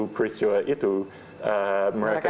peristiwa itu mereka